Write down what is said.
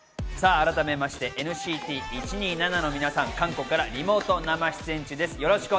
改めてＮＣＴ１２７の皆さん、韓国からリモート生出演中です。